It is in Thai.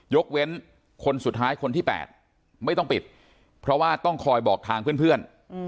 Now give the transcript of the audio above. ยกเว้นคนสุดท้ายคนที่๘ไม่ต้องปิดเพราะว่าต้องคอยบอกทางเพื่อน